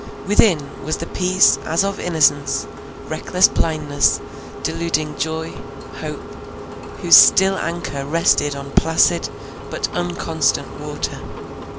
Within, was the peace as of innocence, reckless blindless, deluding joy, hope, whose still anchor rested on placid but unconstant water.